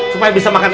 supaya bisa berhasil